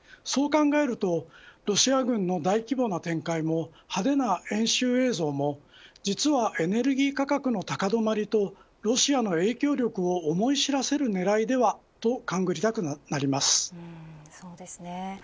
そう考えるとロシア軍の大規模な展開も派手な演習映像も実はエネルギー価格の高止まりとロシアの影響力を思い知らせる狙いではそうですね